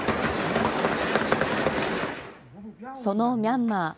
そのミャンマー。